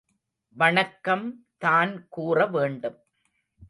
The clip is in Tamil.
வணக்கம் தான் கூற வேண்டும்.